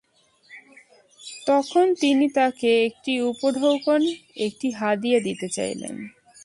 তখন তিনি তাঁকে একটি উপঢৌকন, একটি হাদীয়া দিতে চাইলেন।